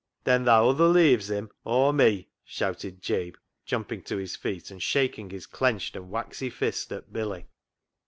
" Then tha other leaves him or me" shouted Jabe, jumping to his feet and shaking his clenched and waxy fist at Billy.